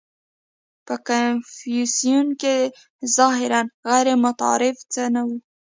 • په کنفوسیوس کې ظاهراً غیرمتعارف څه نهو.